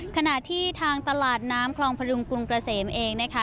ขณะที่ทางตลาดน้ำคลองพดุงกรุงเกษมเองนะคะ